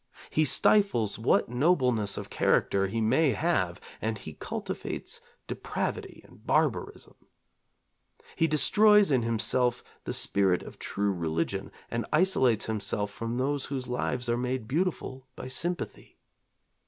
He stifles what nobleness of character he may have and he cultivates depravity and barbarism. He destroys in himself the spirit of true religion and isolates himself from those whose lives are made beautiful by sympathy.